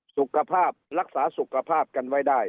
สุขภาพรักษาสุขภาพกันไว้ได้